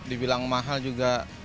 dibilang mahal juga